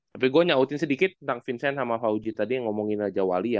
tapi gue nyautin sedikit tentang vincent sama fauji tadi yang ngomongin raja wali ya